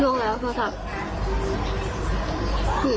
ลงแล้วโทรศัพท์